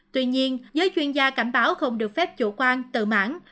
tuy nhiên giới chuyên gia cảnh báo không được phép chủ quan tự mãn